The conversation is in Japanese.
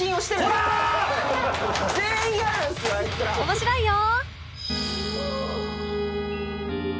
面白いよ！